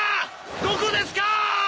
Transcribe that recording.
どこですか？